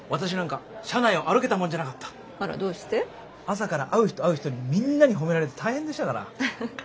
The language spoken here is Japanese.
朝から会う人会う人みんなに褒められて大変でしたから。